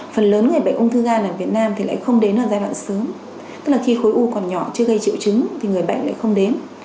phần lớn người bệnh ung thư gan ở việt nam thì lại không đến ở giai đoạn sớm tức là khi khối u còn nhỏ chưa gây triệu chứng thì người bệnh lại không đến